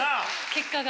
結果が。